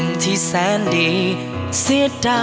ในความที่เราหวัง